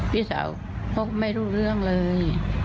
พี่สาวเขาไม่รู้เรื่องเลย